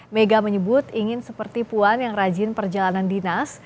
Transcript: mega menyebut ingin seperti puan yang rajin perjalanan dinas